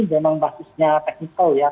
memang basisnya teknikal ya